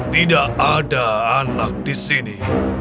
tidak ada anak di sini